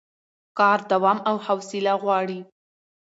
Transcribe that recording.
کار دوام او حوصله غواړي